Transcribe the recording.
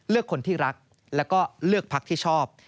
เลือกคนที่รักแล้วก็เลือกพักที่ชอบ